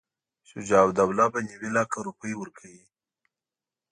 شجاع الدوله به نیوي لکه روپۍ ورکوي.